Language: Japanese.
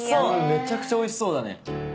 めちゃくちゃおいしそう。